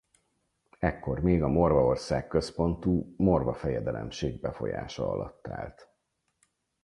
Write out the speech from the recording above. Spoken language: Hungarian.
Ekkor még a Morvaország központú Morva Fejedelemség befolyása alatt állt.